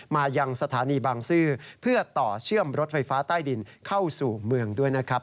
มายังสถานีบางซื่อเพื่อต่อเชื่อมรถไฟฟ้าใต้ดินเข้าสู่เมืองด้วยนะครับ